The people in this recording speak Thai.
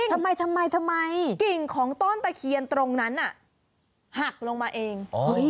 กิ่งของต้นตะเคียนตรงนั้นอะหักลงมาเอง